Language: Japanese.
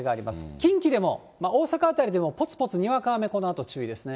近畿でも、大阪辺りでもぽつぽつにわか雨、このあと注意ですね。